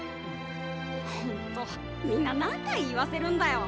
ほんとみんな何回言わせるんだよ。